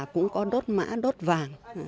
cũng có đốt mã đốt vàng